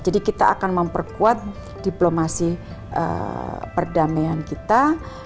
jadi kita akan memperkuat diplomasi perdamaian kita